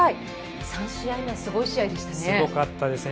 ３試合目はすごい試合でしたね。